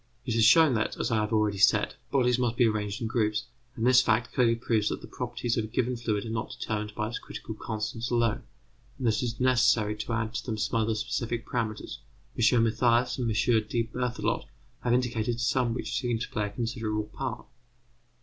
It has shown that, as I have already said, bodies must be arranged in groups, and this fact clearly proves that the properties of a given fluid are not determined by its critical constants alone, and that it is necessary to add to them some other specific parameters; M. Mathias and M. D. Berthelot have indicated some which seem to play a considerable part.